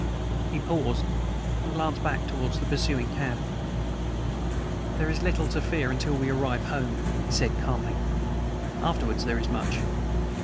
He paused and glanced back towards the pursuing cab. "There is little to fear until we arrive home," he said calmly. "Afterwards there is much.